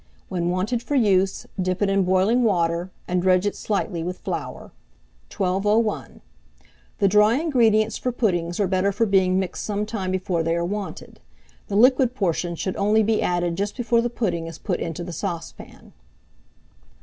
When wanted for use, dip it in boiling water, and dredge it slightly with flour. [Illustration: PUDDING BASIN.] 1201. The dry ingredients for puddings are better for being mixed some time before they are wanted; the liquid portion should only be added just before the pudding is put into the saucepan.